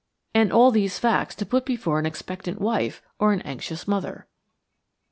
And all these facts to put before an expectant wife or an anxious mother!